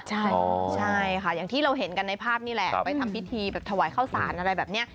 ใช่ค่ะอย่างที่เราเห็นกันในภาพนี่แหละไปทำพิธีแบบถวายข้าวสารอะไรแบบนี้